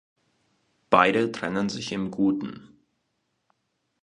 Beide trennen sich im Guten.